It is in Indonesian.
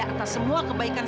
apatah selamat malam kami